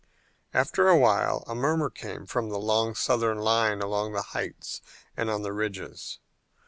After a while a murmur came from the long Southern line along the heights and on the ridges.